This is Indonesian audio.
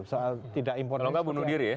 soal tidak impor kalau nggak bunuh diri ya